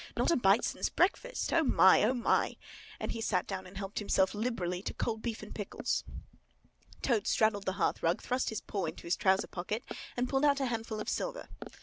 Not a bite since breakfast! O my! O my!" And he sat down and helped himself liberally to cold beef and pickles. Toad straddled on the hearth rug, thrust his paw into his trouser pocket and pulled out a handful of silver.